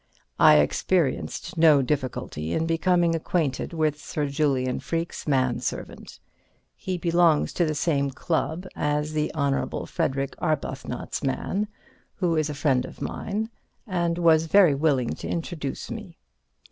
I experienced no difficulty in becoming acquainted with Sir Julian Freke's man servant. He belongs to the same club as the Hon. Frederick Arbuthnot's man, who is a friend of mine, and was very willing to introduce me.